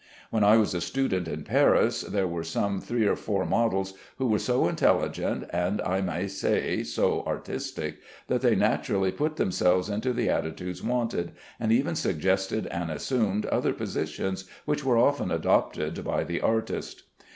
When I was a student in Paris, there were some three or four models who were so intelligent (and I may say so artistic) that they naturally put themselves into the attitudes wanted, and even suggested and assumed other positions which were often adopted by the artist.